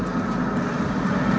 jangan kejar itu